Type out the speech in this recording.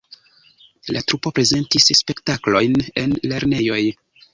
La trupo prezentis spektaklojn en lernejoj.